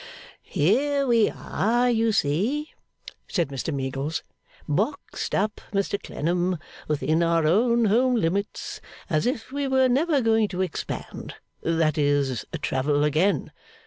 'Here we are, you see,' said Mr Meagles, 'boxed up, Mr Clennam, within our own home limits, as if we were never going to expand that is, travel again.